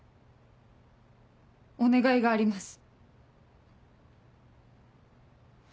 お願いがあります。